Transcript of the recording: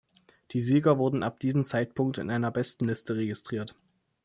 Die Sieger wurden ab diesem Zeitpunkt in einer Bestenliste registriert.